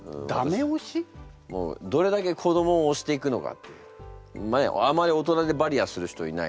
もうどれだけ子どもをおしていくのかっていうあまり大人でバリアーする人いない。